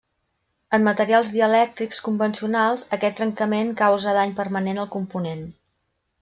En materials dielèctrics convencionals, aquest trencament causa dany permanent al component.